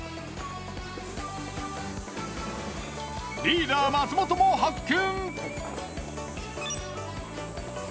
リーダー松本も発見。